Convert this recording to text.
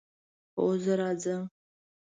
هو، زه راځم